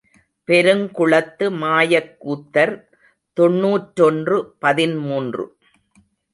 பெருங்குளத்து மாயக் கூத்தர் தொன்னூற்றொன்று பதிமூன்று .